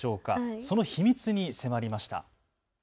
その秘密に迫りました。